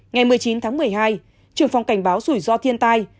ngày một mươi chín tháng một mươi hai trưởng phòng cảnh báo rủi ro thiên tai